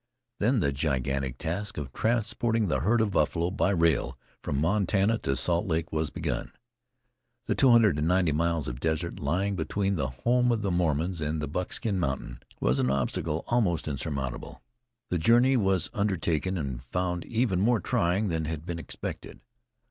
Then the gigantic task of transporting the herd of buffalo by rail from Montana to Salt Lake was begun. The two hundred and ninety miles of desert lying between the home of the Mormons and Buckskin Mountain was an obstacle almost insurmountable. The journey was undertaken and found even more trying than had been expected.